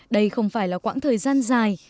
đây không phải là quãng thời gian dài